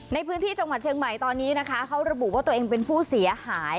ในพื้นที่จังหวัดเชียงใหม่ตอนนี้นะคะเขาระบุว่าตัวเองเป็นผู้เสียหาย